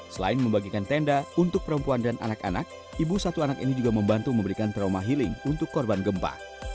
selain membagikan tenda untuk perempuan dan anak anak ibu satu anak ini juga membantu memberikan trauma healing untuk korban gempa